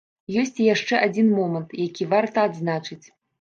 Ёсць і яшчэ адзін момант, які варта адзначыць.